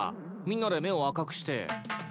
みんなで目を赤くして。